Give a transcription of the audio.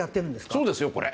そうですよ。